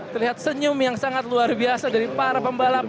terlihat senyum yang sangat luar biasa dari para pembalap